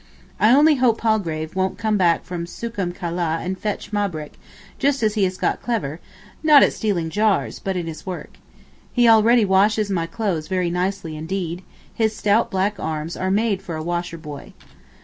I only hope Palgrave won't come back from Sookum Kaleh to fetch Mahbrook just as he has got clever—not at stealing jars, but in his work. He already washes my clothes very nicely indeed; his stout black arms are made for a washer boy.